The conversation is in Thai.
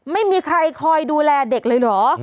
ไม่มีใครคอยดูแลเด็กเลยเหรอ